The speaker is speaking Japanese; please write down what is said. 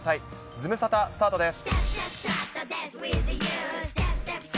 ズムサタ、スタートです。